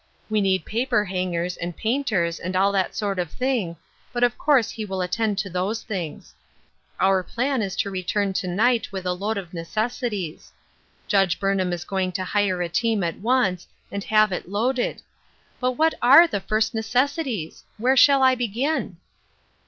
We need paper hangers and painters, and all that sort of thing, but of course he will attend to those things. Our plan is to return to night with a load of necessities. Judge Burnham is going to hire a team at once, and have it loaded. But what are the first necessi ties ? Where shall I begin